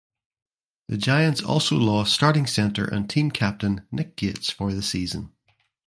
The Giants also lost starting center and team captain Nick Gates for the season.